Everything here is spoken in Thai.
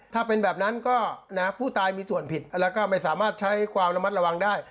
ถ้าเป็นแบบนั้นก็นะผู้ตายมีส่วนผิดแล้วก็ไม่สามารถใช้ความระมัดระวังได้